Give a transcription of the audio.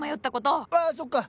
ああそっか。